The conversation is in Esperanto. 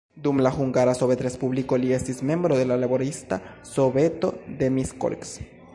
Dum la Hungara Sovetrespubliko, li estis membro de la laborista soveto de Miskolc.